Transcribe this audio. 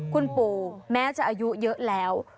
คุณปู่แม้จะอายุเยอะแล้ว